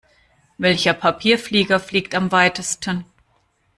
Welcher Papierflieger fliegt am weitesten?